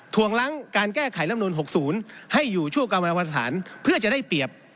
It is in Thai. วงล้างการแก้ไขลำนูล๖๐ให้อยู่ชั่วกรรมสถานเพื่อจะได้เปรียบ